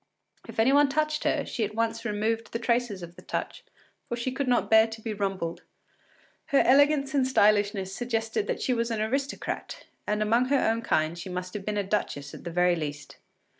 If any one touched her, she at once removed the traces of the touch, for she could not bear to be rumpled. Her elegance and stylishness suggested that she was an aristocrat, and among her own kind she must have been a duchess at the very least.